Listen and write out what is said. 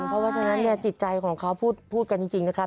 เพราะว่าฉะนั้นเนี่ยจิตใจของเขาพูดพูดกันจริงจริงนะครับ